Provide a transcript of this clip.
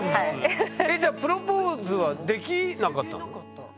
じゃあプロポーズはできなかったの？